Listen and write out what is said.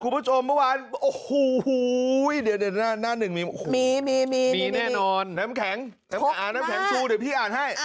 คุณผู้ชมเมื่อวานโอ้โหเดี๋ยวหน้าหนึ่งมีมีแน่นอนน้ำแข็งน้ำแข็งชูเดี๋ยวพี่อ่านให้